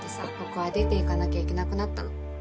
ここは出て行かなきゃいけなくなったの。